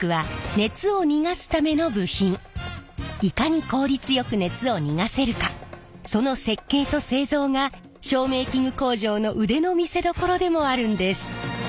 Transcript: いかに効率よく熱を逃がせるかその設計と製造が照明器具工場の腕の見せどころでもあるんです。